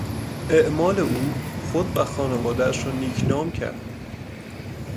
اعمال او خود و خانوادهاش را نیکنام کرد.